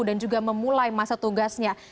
dan juga memulai masa tugasnya